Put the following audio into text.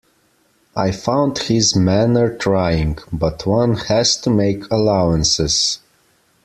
I found his manner trying, but one has to make allowances.